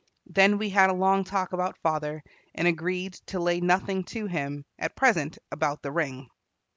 Then we had a long talk about father, and agreed to lay nothing to him, at present, about the ring.